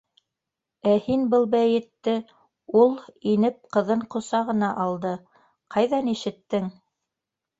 Ә һин был бәйетте, - ул инеп, ҡыҙын ҡосағына алды, - ҡайҙан ишеттең?